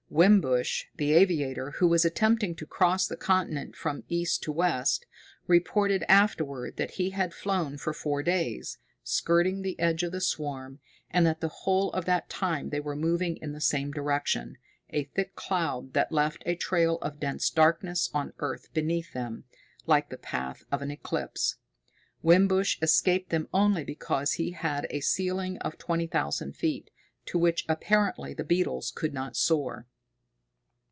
Wimbush, the aviator, who was attempting to cross the continent from east to west, reported afterward that he had flown for four days, skirting the edge of the swarm, and that the whole of that time they were moving in the same direction, a thick cloud that left a trail of dense darkness on earth beneath them, like the path of an eclipse. Wimbush escaped them only because he had a ceiling of twenty thousand feet, to which apparently the beetles could not soar.